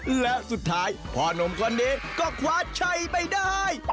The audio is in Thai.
และสุดท้ายผ้านมก่อนเนี่ยก็ควาใช้ไปได้